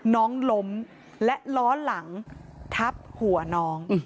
น้องล้มและล้อหลังทับหัวน้อง